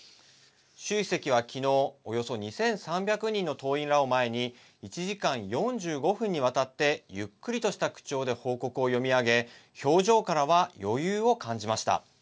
習主席は昨日およそ２３００人の党員らを前に１時間４５分にわたってゆっくりとした口調で報告を読み上げ表情からは余裕を感じました。